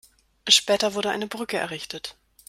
Später wurde eine Brücke errichtet.